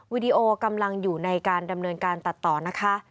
วิดีโอกำลังอยู่ในการดำเนินการตัดต่อนะคะ